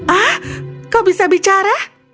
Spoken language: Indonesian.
ah kau bisa bicara